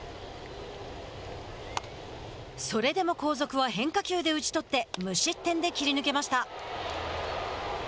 それでも後続は変化球で打ち取って無失点で切り抜けました。